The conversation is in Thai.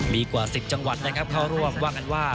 มีกว่า๑๐จังหวัดนะครับเข้าร่วมว่ากันว่า